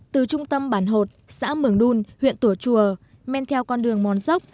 từ trung tâm bản hột xã mường đun huyện tùa chùa men theo con đường mòn dốc